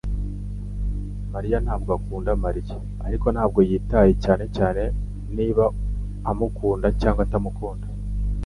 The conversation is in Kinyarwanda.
mariya ntabwo akunda Mariya Ariko ntabwo yitaye cyane cyane niba amukunda cyangwa atamukunda